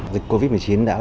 dịch covid một mươi chín đã là